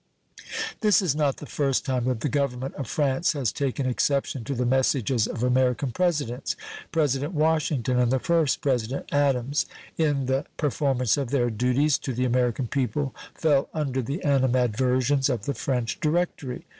This is not the first time that the Government of France has taken exception to the messages of American Presidents. President Washington and the first President Adams in the performance of their duties to the American people fell under the animadversions of the French Directory.